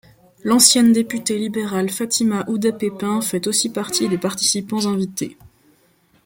L'ancienne députée libérale Fatima Houda-Pepin fait aussi partie des participants invités.